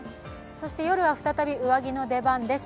そして夜は再び上着の出番です。